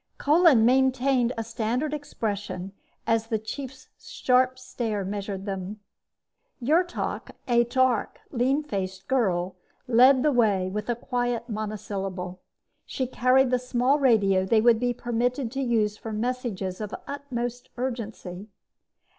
Kolin maintained a standard expression as the Chief's sharp stare measured them. Yrtok, a dark, lean faced girl, led the way with a quiet monosyllable. She carried the small radio they would be permitted to use for messages of utmost urgency.